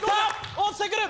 落ちてくる！